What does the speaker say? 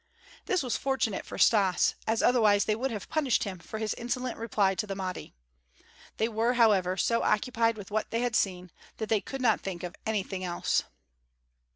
This was fortunate for Stas, as otherwise they would have punished him for his insolent reply to the Mahdi. They were, however, so occupied with what they had seen that they could not think of anything else.